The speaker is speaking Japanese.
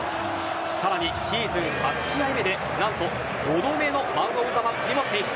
さらにシーズン８試合目で何と５度目のマン・オブ・ザ・マッチにも選出。